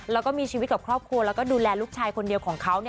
แล้วก็มีชีวิตกับครอบครัวแล้วก็ดูแลลูกชายคนเดียวของเขา